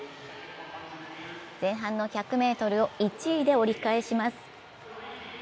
前半の１００ｍを１位で折り返します。